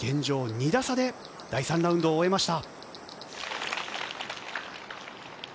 ２打差で第３ラウンドを終えました。